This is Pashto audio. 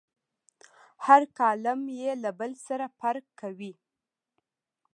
هر کالم یې له بل سره فرق کوي.